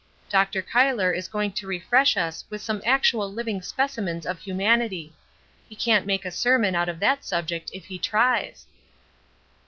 Dr. Cuyler is going to refresh us with some actual living specimens of humanity. He can't make a sermon out of that subject if he tries."